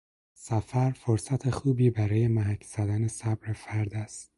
سفر، فرصت خوبی برای محک زدن صبر فرد است